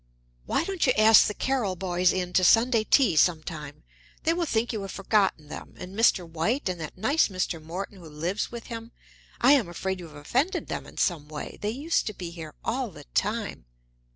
"Why don't you ask the Carryl boys in to Sunday tea some time? They will think you have forgotten them. And Mr. White and that nice Mr. Morton who lives with him I am afraid you have offended them in some way. They used to be here all the time."